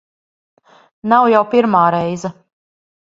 Nav jau pirmā reize.